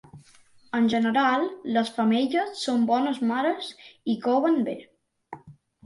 En general, les femelles són bones mares i coven bé.